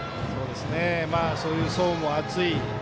そういう層も厚い。